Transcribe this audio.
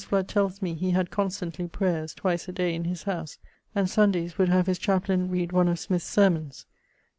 Fludd tells me he had constantly prayers twice a day in his howse, and Sundayes would have his chaplayne read one of Smyth's sermons.